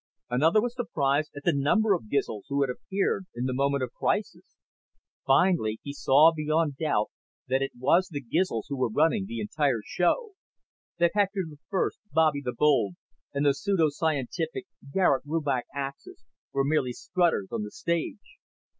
Another was surprise at the number of Gizls who had appeared in the moment of crisis. Finally he saw beyond doubt that it was the Gizls who were running the entire show that Hector I, Bobby the Bold, and the pseudo scientific Garet Rubach Axis were merely strutters on the stage.